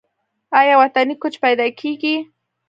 آیا وطني کوچ پیدا کیږي؟